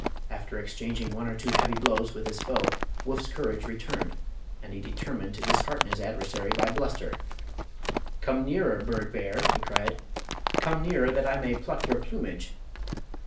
After exchanging one or two heavy blows with his foe Woof's courage returned, and he determined to dishearten his adversary by bluster. "Come nearer, bird bear!" he cried. "Come nearer, that I may pluck your plumage!"